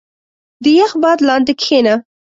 • د یخ باد لاندې کښېنه.